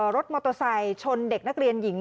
รถมอเตอร์ไซค์ชนเด็กนักเรียนหญิง